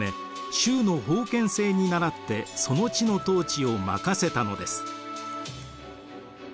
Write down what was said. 周の封建制に倣ってその地の統治を任せたのです。